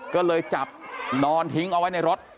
ก็เลยจับนอนทิ้งเอาไว้ในรถ